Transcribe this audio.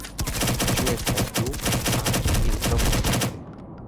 Ĉu estas du? A, mi eltrovos poste.